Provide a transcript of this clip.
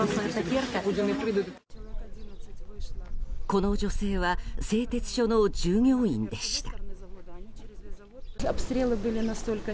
この女性は製鉄所の従業員でした。